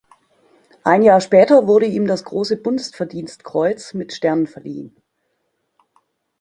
Ein Jahr später wurde ihm das Große Bundesverdienstkreuz mit Stern verliehen.